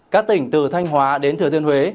các tỉnh từ thanh hóa đến thừa tiên huế